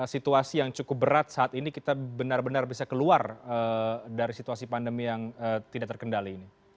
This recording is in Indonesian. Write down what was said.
situasi yang cukup berat saat ini kita benar benar bisa keluar dari situasi pandemi yang tidak terkendali ini